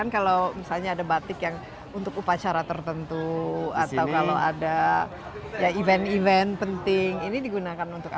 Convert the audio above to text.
kalau misalnya ada batik yang untuk upacara tertentu atau kalau ada ya event event penting ini digunakan untuk apa